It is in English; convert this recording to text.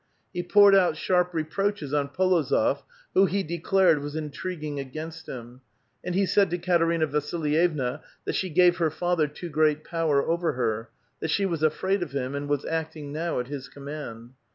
He poured out sharp reproaches on P61ozof , who he declared was intriguing against him, and he said to Katerina Vasilyevna that she gave her father too great power over her, that she was afraid of him, and was acting now at his command.